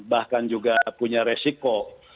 bahkan juga punya resiko